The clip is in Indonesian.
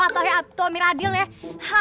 atau dihukum adil adil ya